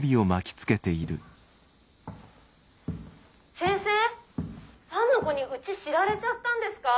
「先生ファンの子にうち知られちゃったんですか？」。